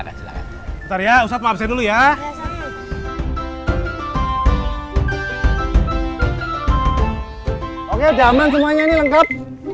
tarian usah paksa dulu ya oke zaman semuanya ini lengkap